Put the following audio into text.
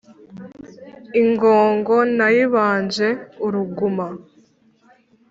Ingogo nayibanje uruguma